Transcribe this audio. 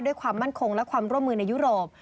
ความมั่นคงและความร่วมมือในยุโรป